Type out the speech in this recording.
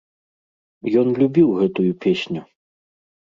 Ён любіў гэтую песню.